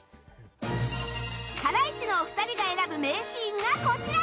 ハライチのお二人が選ぶ名シーンがこちら。